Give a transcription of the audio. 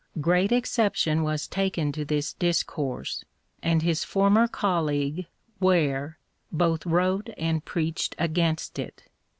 Great exception was taken to this discourse, and his former colleague. Ware, both wrote and preached against it.